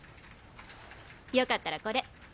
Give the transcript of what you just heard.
よかったらこれ。